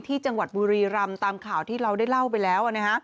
ที่จังหวัดบุรีรำตามข่าวที่เราได้เล่าไปแล้ว